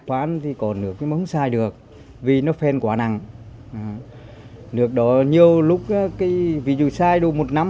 khoan thì còn được cái món xài được vì nó phèn quả nặng nước đó nhiều lúc cái ví dụ xài đủ một năm